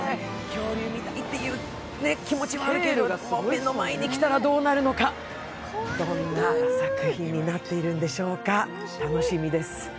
恐竜見たいっていう気持ちもあるけど、目の前に来たらどうなるのか、どんな作品になっているんでしょうか、楽しみです。